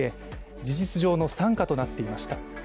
事実上の傘下となっていました。